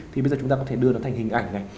thì bây giờ chúng ta có thể đưa nó thành hình ảnh này